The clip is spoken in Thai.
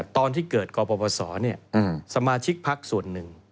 ตอนที่เกิดกปศเนี่ยสมาชิกภักดิ์ส่วนหนึ่ง